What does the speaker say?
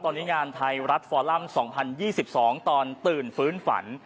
ตอนนี้งานไทยรัฐฟอลัม๒๐๒๒ตอนตื่นฟื้นฝัน